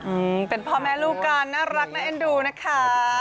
อืมเป็นพ่อแม่ลูกกันน่ารักน่าเอ็นดูนะคะ